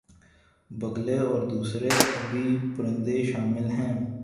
بگلے اور دوسرے آبی پرندے شامل ہیں